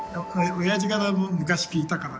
おやじから昔聞いたから。